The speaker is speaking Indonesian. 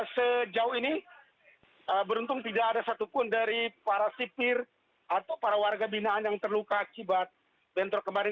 sejauh ini beruntung tidak ada satupun dari para sipir atau para warga binaan yang terluka akibat bentrok kemarin